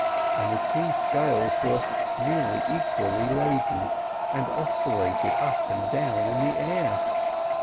And the two scales were nearly equally laden, and oscillated up and down in the air